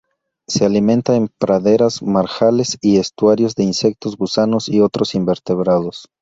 Se alimenta en praderas, marjales y estuarios de insectos, gusanos y otros invertebrados.